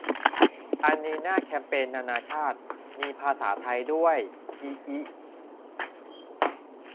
อันนี้หน้าแคมเปญนานาชาติ มีภาษาไทยด้วย อิอิ